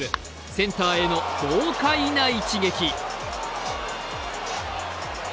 センターへの豪快な一撃。